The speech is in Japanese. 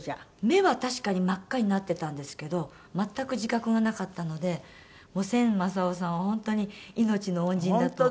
目は確かに真っ赤になってたんですけど全く自覚がなかったので千昌夫さんは本当に命の恩人だと思っています。